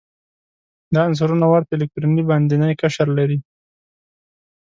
دا عنصرونه ورته الکتروني باندینی قشر لري.